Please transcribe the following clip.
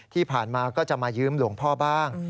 ที่ผ่านมาก็จะมายืมหลวงพ่อบ้าง